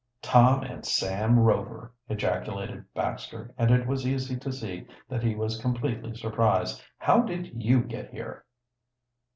"Tom and Sam Rover!" ejaculated Baxter, and it was easy to see that he was completely surprised. "How did you get here?"